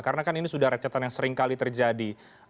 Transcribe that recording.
karena kan ini sudah recetan yang sering kali terjadi